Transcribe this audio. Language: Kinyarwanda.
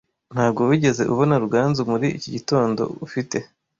Ntago wigeze ubona Ruganzu muri iki gitondo, ufite?